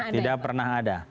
tidak pernah ada